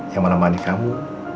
yang menemani kamu